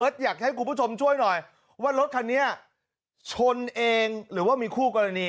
อยากให้คุณผู้ชมช่วยหน่อยว่ารถคันนี้ชนเองหรือว่ามีคู่กรณี